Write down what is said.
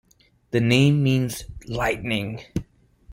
The name means "Lightning".